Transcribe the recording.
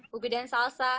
bibi dan salsa